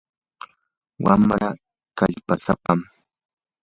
wamraa kallpasapam.